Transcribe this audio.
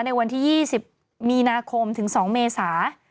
ในวันที่๒๐มีนาคมถึง๒เมษา